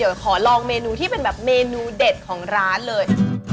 เดี๋ยวขอลองเมนูที่เป็นแบบเมนูเด็ดของร้านเลย